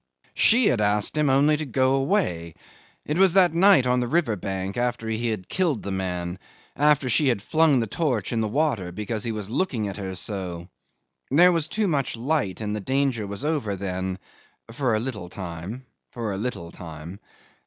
She had asked him only to go away. It was that night on the river bank, after he had killed the man after she had flung the torch in the water because he was looking at her so. There was too much light, and the danger was over then for a little time for a little time.